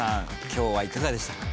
今日はいかがでしたか？